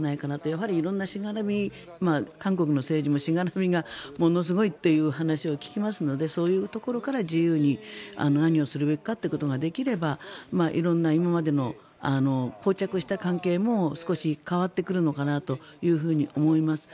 やはり色んなしがらみ韓国の政治もしがらみがものすごいという話を聞きますのでそういうところから自由に何をするべきかということができれば色んな今までのこう着した関係も少し変わってくるのかなと思います。